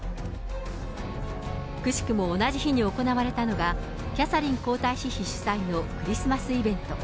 くしくも同じ日に行われたのが、キャサリン皇太子妃主催のクリスマスイベント。